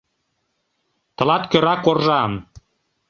Тылат кӧра — коржам;